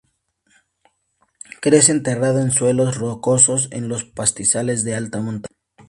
Crece enterrado en suelos rocosos en los pastizales de alta montaña.